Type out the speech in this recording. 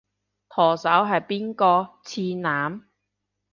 舵手係邊個？次男？